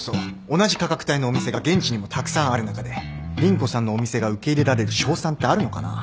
同じ価格帯のお店が現地にもたくさんある中で凛子さんのお店が受け入れられる勝算ってあるのかな？